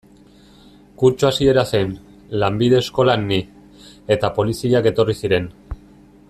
Kurtso hasiera zen, lanbide eskolan ni, eta poliziak etorri ziren.